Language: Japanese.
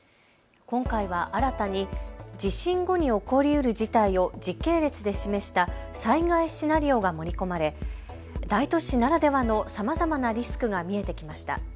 今回は新たに地震後に起こりうる事態を時系列で示した災害シナリオが盛り込まれ大都市ならではのさまざまなリスクが見えてきました。